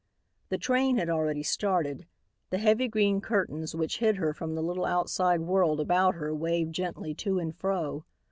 The train had already started. The heavy green curtains which hid her from the little outside world about her waved gently to and fro.